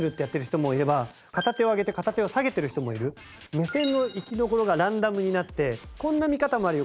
目線の行きどころがランダムになってこんな見方もあるよ